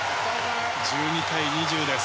１２対２０です。